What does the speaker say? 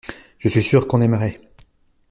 Je suis sûr qu’on aimerait.